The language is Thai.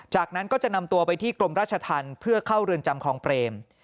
จากนั้นก็จะนำตัวไปที่กรมราชธรรมเพื่อเข้าเรือนจำคลองเปรม